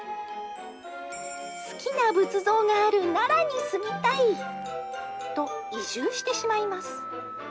好きな仏像がある奈良に住みたいと、移住してしまいます。